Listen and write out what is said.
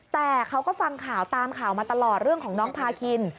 แต่เขาก็ฟังข่าวตามข่าวมาตลอดเรื่องของน้องพาคิน